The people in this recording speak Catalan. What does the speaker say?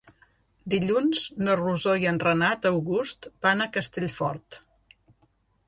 Dilluns na Rosó i en Renat August van a Castellfort.